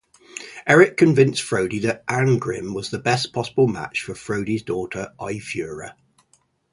Erik convinced Frodi that Arngrim was the best possible match for Frodi's daughter Eyfura.